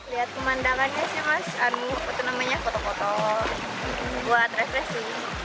lihat pemandangannya sih mas itu namanya foto foto buat refleksi